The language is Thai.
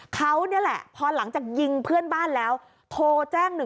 เขานี่แหละพอหลังจากยิงเพื่อนบ้านแล้วโทรแจ้ง๑๑